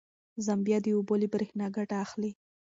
زمبیا د اوبو له برېښنا ګټه اخلي.